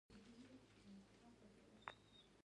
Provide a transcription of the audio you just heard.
خپل ځان وپېژنئ نو د خپل ځان خیال ساتنه هم زده کولای شئ.